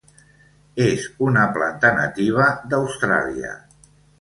És una planta nativa d'Austràlia.